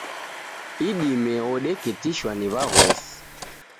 Idime odeketishwa ni waghosi